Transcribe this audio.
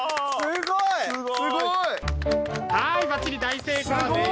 はいバッチリ大成功です。